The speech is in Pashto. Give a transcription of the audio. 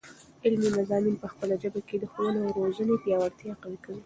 علمي مضامین په خپله ژبه کې، د ښوونې او روزني پیاوړتیا قوي.